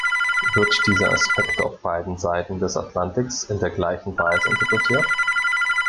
Wird dieser Aspekt auf beiden Seiten des Atlantiks in der gleichen Weise interpretiert?